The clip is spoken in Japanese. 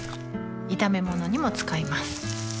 炒め物にも使います